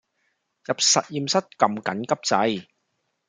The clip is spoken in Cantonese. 入實驗室㩒緊急掣